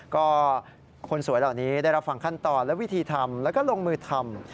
ก็คนสวยเหล่านี้ได้รับฟังขั้นตอนและวิธีทำแล้วก็ลงมือทำ